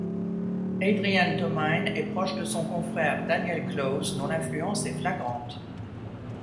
Adrian Tomine est proche de son confrère Daniel Clowes dont l'influence est flagrante.